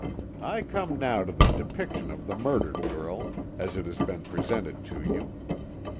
"I come now to the depiction of the murdered girl, as it has been presented to you.